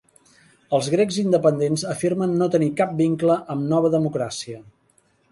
Els Grecs Independents afirmen no tenir cap vincle amb Nova Democràcia.